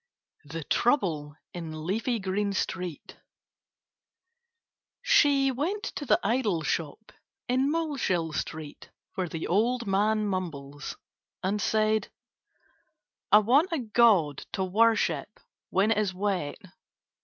THE TROUBLE IN LEAFY GREEN STREET She went to the idol shop in Moleshill Street, where the old man mumbles, and said: "I want a god to worship when it is wet."